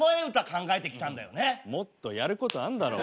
もっとやることあんだろ。